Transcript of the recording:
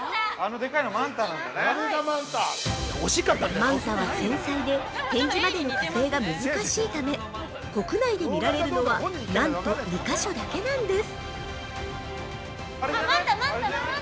◆マンタは繊細で、展示までの過程が難しいため見られるのは、なんと国内で２カ所だけなんです。